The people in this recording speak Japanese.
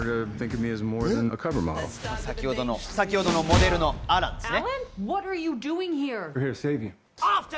先ほどのモデルのアランです。